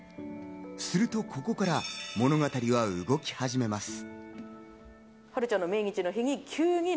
すると、ここから物語は動き始めます。